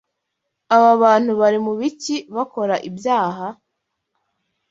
Aba bantu bari mu biki bakora ibyaha